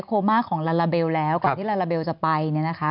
โคม่าของลาลาเบลแล้วก่อนที่ลาลาเบลจะไปเนี่ยนะคะ